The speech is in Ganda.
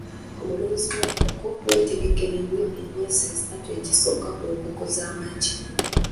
Omulunzi w'enkoko wetegekere nnyo emyezi esatu egisooka ku nkoko z'amagi.